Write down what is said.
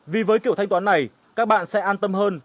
vì với kiểu thanh toán này các bạn sẽ an tâm hơn